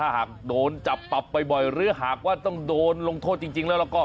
หากโดนจับปรับบ่อยหรือหากว่าต้องโดนลงโทษจริงแล้วก็